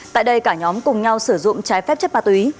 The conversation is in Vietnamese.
tại đây cả nhóm cùng nhau sử dụng trái phép chất ma túy